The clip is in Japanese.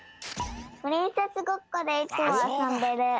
プリンセスごっこでいつもあそんでる。